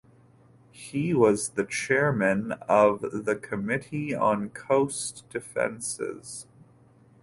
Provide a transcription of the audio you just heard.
He was the chairman of the Committee on Coast Defenses.